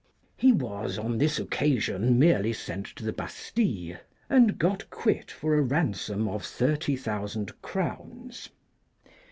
He was on this occasion merely sent to the Bastille, and got quit for a ransom of 30,000 crowns.